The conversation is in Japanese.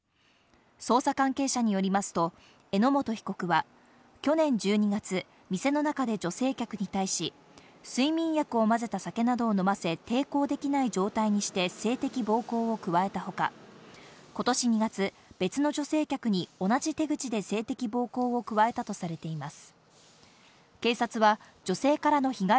捜査関係者によりますと、榎本被告は去年１２月、店の中で女性客に対し、睡眠薬を混ぜた酒などを飲ませ抵抗できない状態にして性的暴行を加えた他、今年２月、別の女性客に同じ手口で性的暴行を加えたとされています。